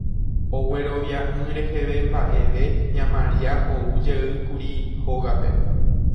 Oguerovia'ỹ reheve mba'eve ña Maria oujeýkuri hógape